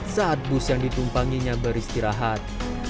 saat bus yang ditumpanginya beristirahat